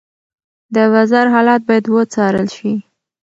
د بازار حالت باید وڅارل شي.